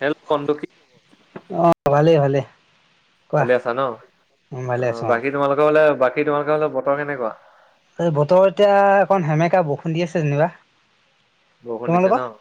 Hello, বন্ধু কি [unintelligible] ভালে- ভালে। ভালি আছা ন' অ আছো অ বাকী তোমালোকে ফালে বাকী তোমালোকে ফালে বতৰ কেনেকুৱা? এই বতৰ এতিয়া অকণ সেমেকা বৌখুন দি আছে যেনিবা। বৰষুণ দিছে তোমালোকৰ ন'?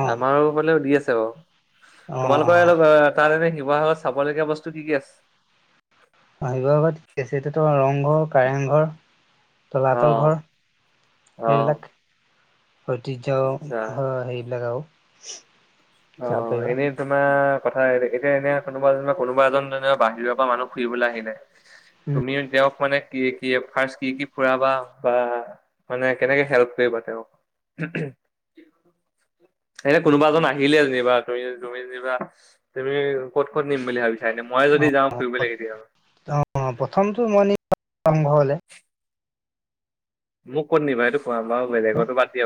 অ আমাৰো বুলেও দি আছে বাৰু অ অ তোমালোকৰ অলপ তাত এনে শিৱ সাগৰত চাবলগীয়া বস্তু কি- কি আছে? ৰং ঘৰ, কাৰেং ঘৰ, অ তলাতল ঘৰ অ সেইবিলাক। ঐতিহ্য আচ্ছা হয় সেইবিলাক আৰু অহ, যাব পাৰিবা এনে তোমাৰ কথা এতিয়া এনে কোনোবা যেন কোনোব এজন যেনিব বাহিৰৰ পৰা মানুহ ফুৰিবলৈ আহিলে তুমিও তেওঁক মানে কি- কি ফাৰ্ষট কি -কি ফুৰাবা বা মানে কেনেকে হেল্প কৰিবা তেওঁক? [unintelligible] এনে কোনোবা এজন আহি আহিলে যেনিবা তুমি -তুমি যেনিবা তুমি ক'ত -ক'ত নিম বুলি ভাবিছা? মই অ যদি যাওঁ ফুৰিবলে কেতিয়াবা? [unintelligible] আৰম্ভ হলে মোক ক'ত নিবা এইটো কোৱা বাৰো বেলেগৰতো বাদ দিয়া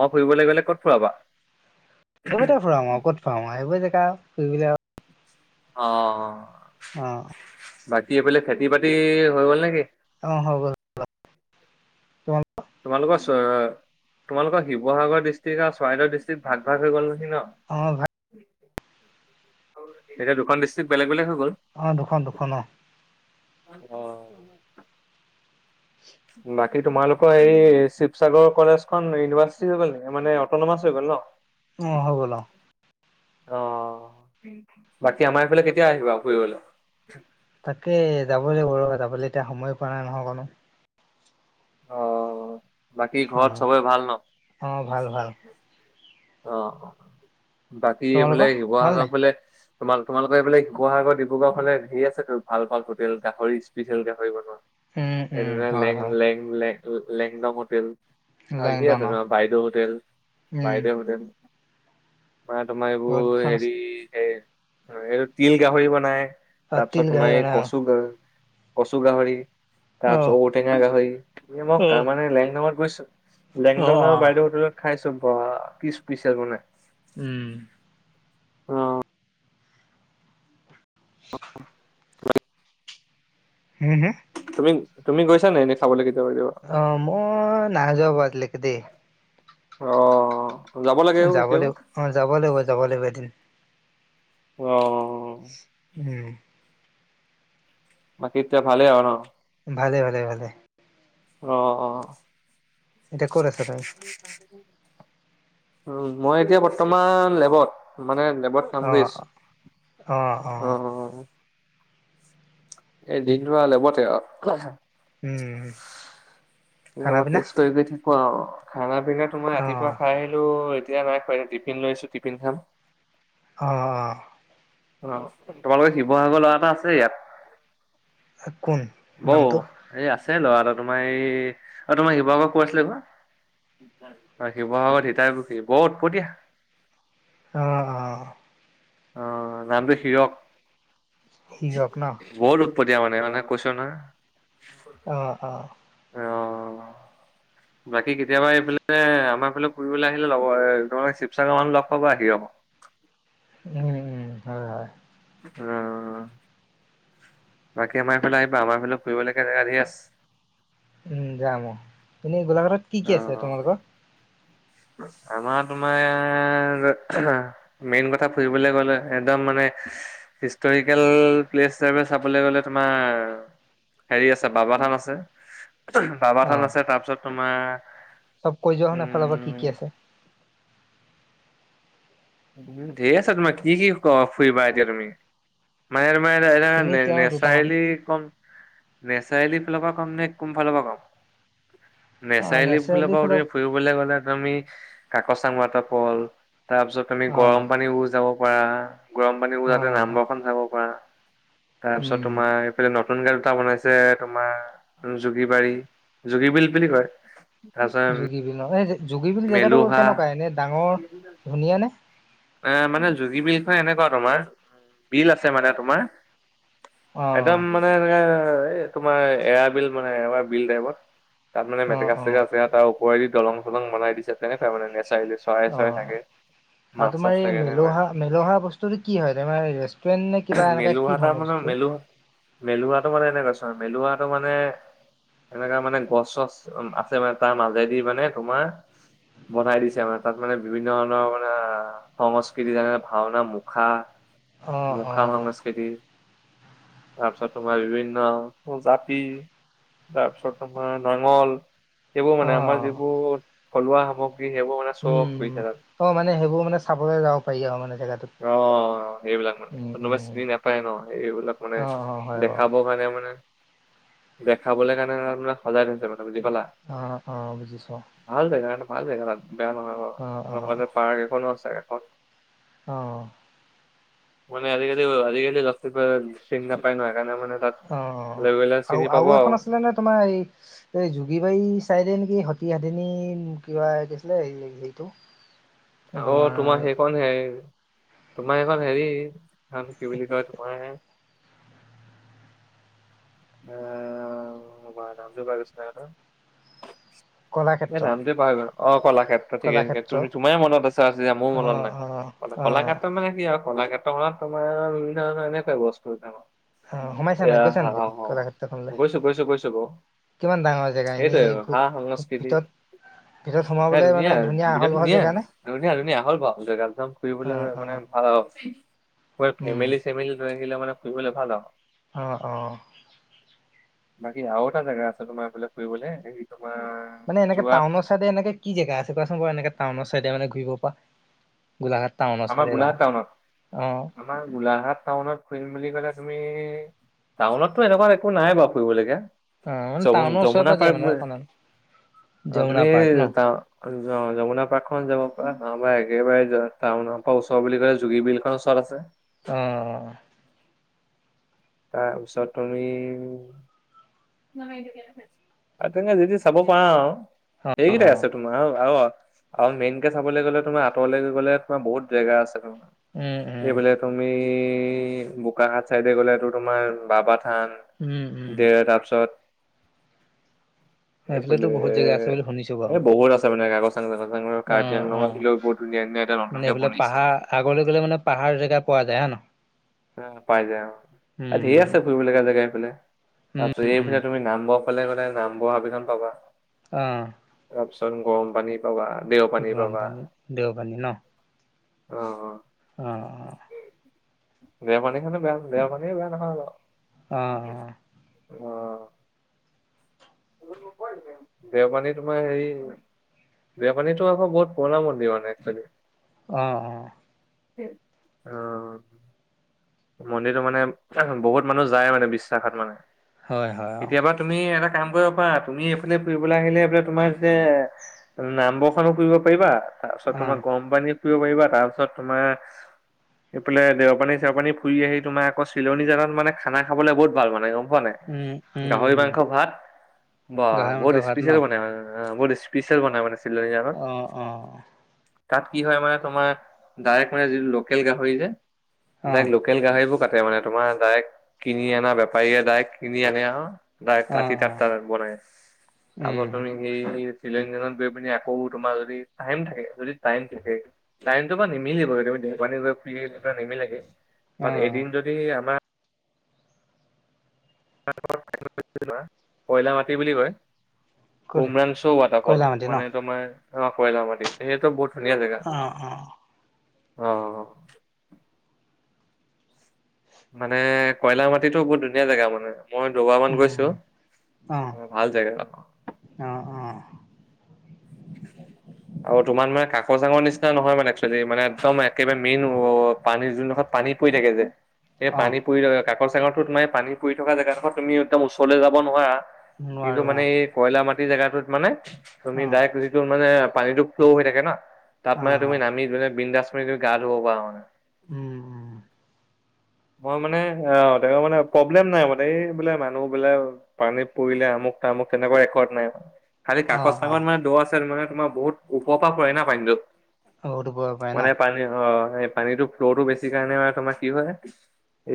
বাৰু ফুৰিবলৈ গ'লে ক'ত ফুৰাবা? সেইবোৰতে ফুৰাম আৰু ক'ত ফুৰাম আৰু সেইবোৰ জেগা আও ফুৰিবলে আৰু অ', অহ কি বোলে খেতি -বাতি হৈ গ'ল নেকি? অহ, হৈ গল [unintelligible] তোমালোকৰ চ'তোমালোকৰ শিৱসাগৰ ডিষ্ট্ৰিক আৰু চৰাইদেউৰ ডিষ্ট্ৰিক ভাগ- ভাগ হৈ গ'ল নহয়? অ ভাই ন'এতিয়া দুখন ডিষ্ট্ৰিক বেলেগ -বেলেগ গ'ল অহ, দুখন -দুখন অ। অহ বাকী তোমালোকৰ এইে শিৱসাগৰ কলেজখন ইউনিভাৰ্চিটি হৈ গ'ল নেকি মানে অট'নমাছ হৈ গ'ল ন'? উম, হৈ গল অহ। অ বাকী আমাৰ এইফালে কেতিয়া আহিবা ফুৰিবলৈ। তাকে যাব লাগ ব যাবলৈ এতিয়া সময় পোৱা নাই নহয় অকনো। অ বাকী অ ঘৰত চবে ভাল ন। অ ভাল ভাল অ বাকী তোমালোকৰ এইফলে ভাল শিৱসাগৰত নাই ফালে। তোমাৰ তোমালোকৰ এইবিল শিৱসাগৰ ডিব্ৰুগডও খনে হেৰি আছেো ভাল ভাল হোটেল গাহৰি স্পেচিয়েল গাহৰি বনোৱা। উম এ ল উম হয় লেং হয় লেঙ লেংগ ল লেংডংট। আজি লেংডন আছে অ তোমাৰ বাইদেউ হোটেল উম বাইদেউ হোটেল বা তোমাৰ বহুত এইবোৰ কেইখন হেৰি আছে হ এই তিল গাহৰি বনাই। অ তাৰপিছ তিল ত গাহি মই মানে কচুগ। কচু গাহৰি অ তাৰপিছত ঔটেঙা গাহৰি ম অ অ মানে লেণ্ডাৰ্ গৈছ। অ লেংদঙ অ আৰু বাইদেউ হোটেলত খাইছো বা কি ইপিছিএল বনাই। উম। অ। অ। হুম হুম। তুম তুমি গৈছ নে এনে খাবলৈাগে। অ মই নাযোৱা বাৰু আজিলেকে দেই। অ। লাগে অ যাব কেতিয়াবা লাগিব অ যাব লাগিব যাব লাগিব এদিন। অহ উ'ম। বাকী এতিয়া ভালে আৰু ন। ভালে ভালে ভালে। অ অ। এতিয়া ক'ত আছা তাই। উম মই এতিয়া বৰ্তমান লেবত। মানে লেৱত কাম অ কৰি অ অ আছো অ। এই দিনতো লেবতে আও। উম। খানা বৰ পিনা টেষ্ট কৰি কৰি থাকো আৰু খানা পিনা তো মই অ ৰাতিপুৱা খাই আহিলো। এতিয়া নাইখ টিফিন লৈ আছো টিফিন খাম। অঁ অঁ। অ তোমালোকৰ শিৱসাগৰ ল'ৰা এটা আছে ইয়াত। কোন নামটো। ল'ৰাটা তোমাৰ এই আৰু তোমাৰ শিৱসাগৰ কৈ আছিলে বা। শিৱসাগৰত সীতাই পুখী বহুত ওপতিয়া। অঁ অঁ। অ নামটো হিৰক। হিৰযক ন। দিয়া মানে মানে কৈছো না। অহ অহ। অ। বাকী কেতিয়াবা এইফালে আমাৰ এইফালে ফুৰিবলৈ আহিলে লব তোম শিৱসাগৰ মানুহ লগ পাব আহি হব। [unintelligible] উম উম হয় হয়। অ। বাকী আমাৰ এইফালে আহিবা আমাৰ ফালে ফুৰিবলৈকে জেগা ধ আছে। উম যাম অ এনেই গোলাঘাটত কি অ কি আছে তোমালোকৰ। আমাৰ তোমাৰ মেইন কথা ফুৰিবলে গলে একদম মানে। হিষ্টৰিকেল প্লেচ হিচাপে চাবলৈ গলে তোমাৰ। হেৰি আছে বাবা থান আছে, বাবা অ থান আছে তাৰপিছত তোমাৰ চব কৈ যোৱা হ এফালৰ পৰা কি উম কি আছে? উম ঢেৰ আছা তোমাৰ কি কি ক ফুৰিবা এতিয়া তুমি? মানে তোমাৰ এ এনেই এ তেওঁৰ দুটামান নেচাৰেলি হক নেচাৰেলিৰ ফালৰ পৰা কম নে কোন ফালৰ পৰা কম? অ নেচাৰেলি ফুলিব পৰাও ফালৰ তুমি ফুৰিবলৈ গ'লে তুমি কা কচাং ৱাটাৰ ফল তাৰ পিছত তুমি অ গৰম পানীও যাব পাৰা গৰম পানীও অ যাতে নাম্বৰখন চাব পৰা। তাৰপিছত উম তোমাৰ এইফালে ন তুনকাল দুটা বনাইছে তোমাৰ জোগী বাৰী জোগী বিল বুলি কয় তাৰপিছত জোগী বিলৰ এই জোগী বিল জেগাটো মেলুহা কেনেকুৱা এনে ডাঙৰ ধুনীয়া নে এ মানে জোগী বিলখন এনেকুৱা তোমাৰ বিল আছে মানে তোমাৰ অ একদম মানে এনে তোমাৰ এৰা বিল মানে এৱাৰ বিল টাইপত। তাত মানে অ অ মেটেকা অ চেটেকা আছে তাৰ পৰেদি দলং চলং বনাই দিছে তেনেকোৱা মানে নেছ চাৰিলে চৰাই অ চৰা থাকে আৰু মাছ চাছ তোমাৰ এই থাকে এনেকুৱাই মেলোহা মেলোহা বস্তুটো কি হয় তোমাৰ ৰেষ্টুৰেণ্ট নে কিবা এনেকা কি মেলোহাটা ধৰণৰ মানে বস্তু মেলু মেলোহাটো মানে এনেকুৱা চোৱা মেলোহাটো মানে এনেকা মানে গছ চছ আছে মানে তাৰ মাজেদি মানে তোমাৰ বনাই দিছে মানে তাত মানে বিভিন্ন ধৰণৰ মানে সংস্কৃতি যেনে ভাওনা মুখা অ অ মুখা সংস্কৃতি, তাৰ পিছত তোমাৰ বিভিন্ন জাতি তাৰপিছত আমাৰ নাঙল, এইবোৰ অ মানে আমাৰ যিবোৰ থলুৱা সামগ্ৰী সেইবোৰ মানে চব হয় উম থাকা অ মানে সেইবোৰ মানে চাবলৈ যাব পাৰি আৰু মানে জেগাটোত অ সেইব বিলাক মানে উম কোনোবা উম চিনি নাপায় ন এইবিলাক মানে অ অ হয় বাৰু দেখাবৰ কাৰণে মান দেখাবলে কাৰণে মানে সজাই থৈছে মানে বুজি পালা, অ', অ', বুজিছো ভাল জেগা ন ভাল জেগা তাত বেয়া নহয় বাৰু অ', অ', লগতে পাৰ্ক এখনো আছে এখন অ মানে আজিকালি আজিকালি লৰা -ছোৱালী বোৰে চিনি নাপাই ন সেইকাৰণে মানে তাত অ লৈ গলে আৰু চিনি পাব আৰু এখন আছিলে নে তোমাৰ এই এই জোগী বাৰী চাই দিয়ে নেকি সতি সাতিনী কিবা কৈছিলে হেৰিটো অ তোমাৰ সেইখন হে তোমাৰ সেইখন হেৰি সেইখন কি বুলি কয় তোমাৰ আহ বাৰামটো ভাগছ ন আৰু- [unintelligible] এই কলাক্ষেত্ৰ নামটোৱে পাহৰি গলো অ কলাক্ষেত্ৰ ঠিকে ঠিকে কলাক্ষেত্ৰ তুমি তোমাৰ মনত আছা যে মোৰ মনত অ', নাই। অ', অ'। কলাক্ষেত্ৰত মানে কি আৰু কলাক্ষেত্ৰখনত তোমাৰ বিভিন্ন ধৰণৰ এনেকুৱাই বস্তু এটা অ', সোমাইছা নাই গৈছা নাই এয়া তুমি হ অ কলাক্ষেত্ৰখনলে গৈছো গৈছো গৈছো বাৰু কিমান ডাঙৰ জেগা এনেই সেইটোয়ে সা- সংস্কৃতি ভিতৰত ভিতৰত এ সোমাবলৈ মানে ধুনীয়া আহল বিৰাট বহল ধুনীয়া জেগা নে ধুনীয়া ধুনীয়া হ'ল আহল বহল জেগাটো ফুৰিবলৈ মানে- অ মই উম। ফেমিলি চেমিলি লৈ আহিলে মানে ফুৰিবলে ভাল আৰু অ অ বাকী আৰু এটা জেগা আছে তোমাৰ এইফালে ফুৰিবলৈ হেৰিত মানে এনেকে টাউনৰ চাইডে এনেকে কি জেগা আছে কোৱাচোন বাৰু এনেকে টাউনৰ চাইডে মানে ঘূৰিব পৰা? গোলাঘাট টাউনৰ আমাৰ চাইডে গোলাঘাট ৰহা টাউনত, অ আমাৰ গোলাঘাট টাউনত ফুৰিম বুলি ক'লে তুমি টাউনততো এনেকুৱা একো নাই বাৰু ফুৰিবলগীয়া অ মানে যমু টাউনৰ ওচৰে যমুনা পাজৰে পাৰ্ক মানে বো অকমান অ যমুনা তুমি পাৰ্ক ন অ যমুনা পাৰ্কখন যাব পৰা। নহমাৰ একেবাৰে টাউন পৰা ওচৰ বুলি কলে জোগী বিল খনৰ ওচৰত আছে অ তাৰ পিছত তুমি আ তেনে যি তি চাব পাৰা আৰু। অ অ সেইকেইটা আছে তোমাৰ আৰু আ আৰু মেইনকে চাবলৈ গ'লে তোমাৰ আঁতৰলৈ গ'লে তোমাৰ বহুত জেগা আছে তো উম উম এইবোলে তুমি বোকাহাট চাইডে গ'লেটো তোমাৰ বাব স্থান, উম উম দে তাৰপিছত [inaudible] এইফালে সেইফালেতো বহুত জেগা আছে বুলি শুনিছো এ বাৰু বহুত আছে মানে কাগজ চাং জাগ চাং অ কাৰ্বি আংলঙৰ অ আহিলেও বহুত ধুনীয়া ধুনীয়া এতিয়া মানে নতুনকে সেইফালে বনিছে। পাহাৰ আগলৈ গ'লে মানে পাহাৰ জেগা পোৱা যায় আহ ন অ পাই যায় অ ধেৰ আছে উম ফুৰিব লগা জেগা এইফালে উম তাৰপিছত উম এইফালে তুমি নাম ব সেইফালে গ'লে নাম বৰ হাবিখন পাবা আহ তাৰপিছত গৰম পানী পাবা দেও পানী গৰম পাবা। পানী, দেও পানী ন অ অ অ দেও পানীখনো বেয়া দেও পানীখনো বেয়া নহয় বাৰু। আহ। দেও পানী তোমাৰ হেৰি দেও পানীটো আকৌ বহুত পুৰণা মন্দিৰ মানে চাগে। আহ, আহ। অ। মন্দিৰটো মানে বহুত মানুহ যায় মানে বিশ্বাসত মানে হয় হয় অ কেতিয়াবা তুমি এটা কাম কৰিব পাৰা। তুমি এইফালে ফুৰিবলৈ আহিলে এইফালে তোমাৰ যে নামবৰ্ষণো ফুৰিব পাৰিবা তাৰপিছত অ তোমাৰ গৰম পানী ফুৰি পাৰিবা, তাৰপিছত তোমাৰ এইফালে দেও পানী চেৰ পানী ফুৰি আহি তোমাৰ আকৌ চিলনী জানাত মানে খানা খাবলৈ বহুত ভাল মানে। খোৱা নাই উম উম গাহৰি উম মাংস ভাত বা গাহৰি মাংস বহুত ভাত ন স্পেচিয়েল বনাই মা অ, বহুত স্পেচিয়েল বনাব মানে চিলনী জানত আহ অ। তাত কি হয় মানে তোমাৰ ডাইৰেক্ট মানে যিটো লোকেল গাহৰি যে অ ডা লো সেইবোৰ কাটে মানে তোমাৰ ডাইৰেক্ট কিনি অনা বেপাৰীয়ে ডাইৰেক্ট কিনি আনে আৰু তাই অ কাটি তাত অ টা বনাই আকৌ উম তুমি সেই শ্বিলংজত গৈ পিনি আকৌ তোমাৰ যদি টাইম থাকে যদি টাইম থাকে টাইমটো বা নিমিলিব দেও পানী গৈ ফ্ৰী নিমিলেগে বাট অ', এদিন যদি আমাৰ কয়লা মাটি বুলি কয় কলে উমৰাশৌ ৱাটাৰফল, কয়লা মাটি ন মানে তোমাৰ কয়লা মাটি সেইটো বহুত ধুনীয়া জেগা অ, অ। অ। মানে কয়লা মাটিটো বহুত ধুনীয়া জেগা মানে। মই দুবাৰামান উম, গৈছো, অ', ভাল জেগা অ', অ', [inaudible] আৰু তোমাৰ মানে কাকজ জাঙৰ নিচিনা নহয় মানে একচেলি মানে একদম একেবাৰে মেইন অ পানী যোনডোখত পানী পৰি থাকে যে। এই অ', পানী পৰি থকা কাকৰ চাকৰ তোমাৰে পানী পৰি থকা জেগাডোখৰ তুমি একদম ওচৰলৈ যাব নোৱাৰা। কিন্তু নোৱাৰো মানে অ', এই কয়লা মাটি জেগাটোত মানে তুমি অ', ডাইৰে মানে পানীটো ফ্ল হৈ থাকে ন, তাত মানে তুমি অ', নামি বিন্দাছ মানি তুমি গা ধুব পাৰা মানে। উম, উম। মই মানে অ, তেৰ মানে প্ৰব্লেম নাই মানে এইবোলে মানুহ বোলে পানীত পৰিলে আমুক তামোক তেনেকুৱা ৰেকৰ্ড নাই। খালি অ', কাকজ চাকত অ', মানে দূৰত আছিল মানে তোমাৰ বহুত ওপৰৰ পৰা পৰে না পানীটো। ঔ টোপব পাৰে ন অ', মানে পানী অ, এই পানীটো ফ্ল'টো বেছি কাৰণে তোমাৰ কি হয়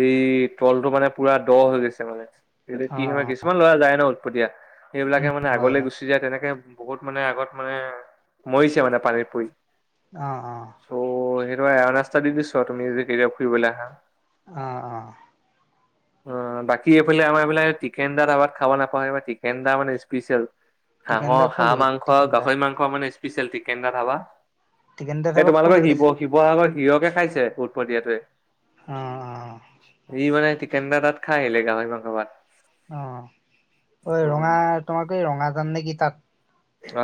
এই তলতটো মানে পুৰা দ হৈ গৈছে মানে, কি কি সময় অ', কিছুমান ল'ৰা যায় ন দিয়া সেইবিলাকে মানে হয়, আগলে হয়, গুচি যায় তেনেকে বহুত মানে আগত মানে মৰিছে মানে পানীত পৰি আহ, আহ। এ না নাস্তা দি দিছ তুমি যে কেতিয়া ফুৰিবলৈ আহা। অঁ অঁ। [inaudible] অ, বাকী এইফালে আমাৰ এইবিলাক টিকেন দাৰবাত খাব নাপায় টিকেন দা মানে স্পেচিয়েল। টিকেন দা হাঁহৰ, কোনটো হাঁহ মাংস, টিকেন দা গাহৰি মাংস মানে স্পেচিয়েল টিকেন ডা ধাবা। টিকেন দা এ, তাৰপৰা কোনটো তোমালোকৰ গীত শিৱ আছে শিৱসাগৰ হিৰবে খাইছে উৎপতীয়াটোৱে? অ', ই, মানে টিকেন দা তাত খাই আহিলে গাহৰিৰ মাংস ভাত। অ, ঐ অ ৰঙা তোমাক এই ৰঙাজান নেকি তাত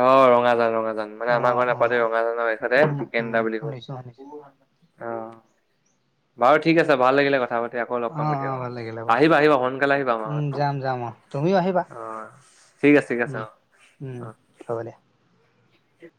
অ, ৰঙাজান, ৰঙাজা জন মানে আমাৰ অ', ঘৰত নাপা অ', ৰঙাজানৰ ইফালে উম, টিকেন উম, দা বুলি ক শুনিছো শুনিছো অ। বাৰু ঠিক আছে ভাল লাগিলে কথা পাত তি আকৌ লগ পাম অ', অ', কেতিয়াবা ভাল লাগিলে বাৰু আহিবা আহিবা সোনকালে আহিবা উম, আমাৰত যাম যাম অ', তুমিও আহিবা অ। ঠিক আছে ঠিক আছে উম অ। উম অ। হ'ব দে।